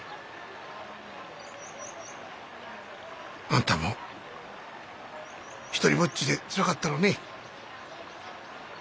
あんたも独りぼっちでつらかったろうね。